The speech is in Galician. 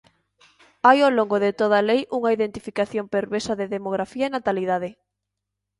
Hai ao longo de toda a lei unha identificación perversa de demografía e natalidade.